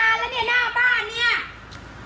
คุยกับกูก็จบแล้วนั่งรอนานแล้วเนี่ยนั่งป้ะเนี่ย